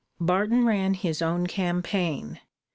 Barton ran his own campaign.